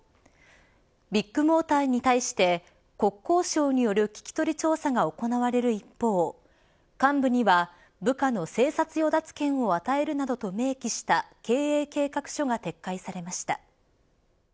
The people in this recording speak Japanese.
ビッグモーターに対して国交省による聞き取り調査が行われる一方幹部には部下の生殺与奪権を与えるなどと明記した経営計画書が撤回されました。